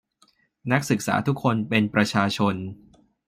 นักศึกษาทุกคนเป็นประชาชน